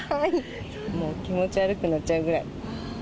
もう気持ち悪くなっちゃうぐらい。